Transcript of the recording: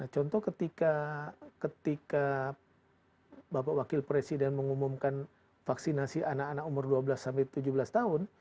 contoh ketika bapak wakil presiden mengumumkan vaksinasi anak anak umur dua belas sampai tujuh belas tahun